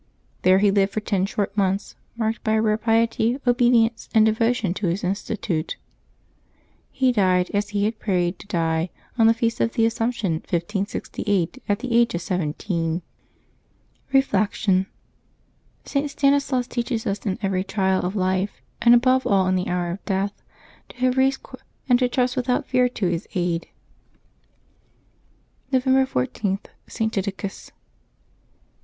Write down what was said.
There he lived for ten short months marked by a rare piety, obedience, and devotion to his institute. He died, as he had prayed to die, on the feast of the Assumption, 1568, at the age of seventeen. Reflection. — St. Stanislas teaches us in every trial of life, and above all in the hour of death, to have recourse to our patron Saint, and to trust without fear to his aid. November 14.— ST. DIDACUS. [t.